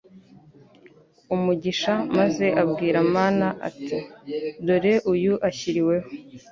umugisha, maze abwira Mana ati: «Dore, uyu ashyiriweho